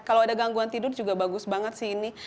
kalau ada gangguan tidur juga bagus banget sih ini